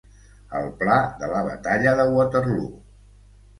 El pla de la batalla de Waterloo.